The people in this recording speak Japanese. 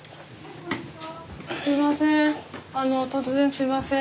すいません。